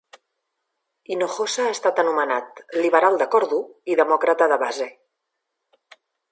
Hinojosa ha estat anomenat "liberal de cor dur" i "demòcrata de base".